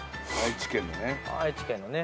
愛知県のね。